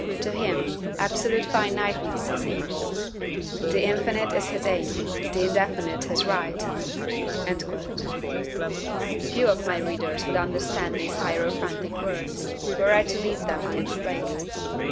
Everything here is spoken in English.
To him, absolute finiteness is evil. The infinite is his aim, the indefinite his right." Few of my readers would understand these hierophantic words, were I to leave them unexplained.